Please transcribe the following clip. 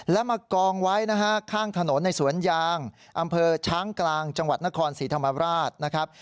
แล้วมากองไว้นะฮะข้างถนนในสวนยางอำเภอช้างกลางจังหวัดนครศรีธรรมราชนะครับ